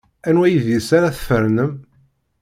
Anwa idis ara tfernem?